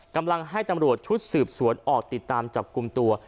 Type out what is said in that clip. กำลังให้ตำรวจชุดสืบสวนออกติดตามจับกลุ่มตัว